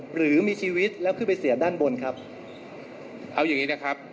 หรือมีชีวิตแล้วขึ้นไปเสียด้านบนครับเอาอย่างงี้นะครับ